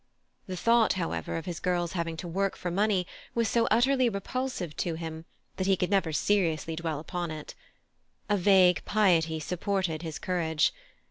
The thought, however, of his girls having to work for money was so utterly repulsive to him that he could never seriously dwell upon it. A vague piety supported his courage.